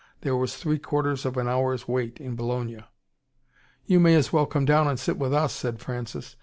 There was three quarters of an hour's wait in Bologna. "You may as well come down and sit with us," said Francis.